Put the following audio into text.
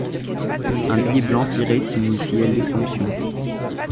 Un billet blanc tiré signifiait l'exemption.